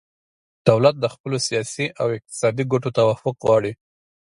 دولت د خپلو سیاسي او اقتصادي ګټو توافق غواړي